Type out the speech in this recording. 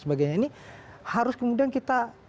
sebagainya ini harus kemudian kita